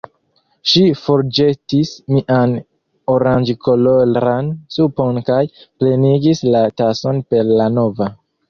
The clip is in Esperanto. Ŝi forĵetis mian oranĝkoloran supon kaj plenigis la tason per la nova.